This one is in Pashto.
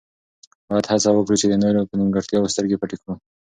باید هڅه وکړو چې د نورو په نیمګړتیاوو سترګې پټې کړو.